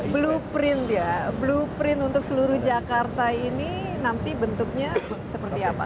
blueprint ya blueprint untuk seluruh jakarta ini nanti bentuknya seperti apa